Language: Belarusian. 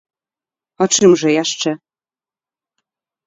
А чым жа яшчэ?